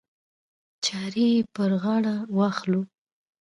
چارې یې پر غاړه واخلو.